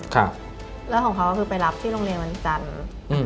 แล้วของเขาก็คือไปรับที่โรงเรียนวันจันทร์